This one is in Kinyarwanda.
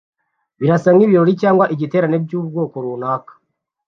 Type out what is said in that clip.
Birasa nkibirori cyangwa igiterane cyubwoko runaka